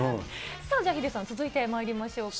さあ、じゃあヒデさん、続いてまいりましょうか。